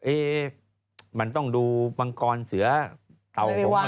เอ๊ะมันต้องดูวังกรเสือเตาหรืออะไร